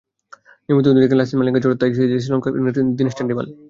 নিয়মিত অধিনায়ক লাসিথ মালিঙ্গার চোট, তাই সিরিজে শ্রীলঙ্কাকে নেতৃত্ব দেবেন দিনেশ চান্ডিমাল।